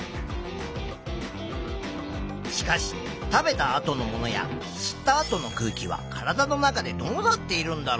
しかし食べたあとのものや吸ったあとの空気は体の中でどうなっているんだろう？